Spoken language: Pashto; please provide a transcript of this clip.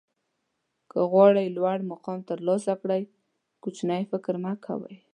که غواړئ لوړ مقام ترلاسه کړئ کوچنی فکر مه کوئ.